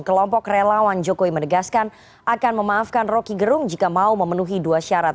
kelompok relawan jokowi menegaskan akan memaafkan roky gerung jika mau memenuhi dua syarat